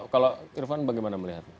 kalau irfan bagaimana melihatnya